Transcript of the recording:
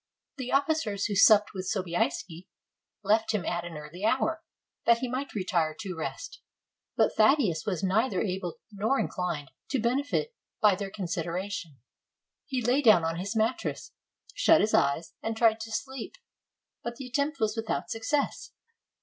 The ofiScers who supped with Sobieski left him at an early hour, that he might retire to rest; but Thaddeus was neither able nor inclined to benefit by their consid eration. He lay down on his mattress, shut his eyes, and tried to sleep; but the attempt was without success.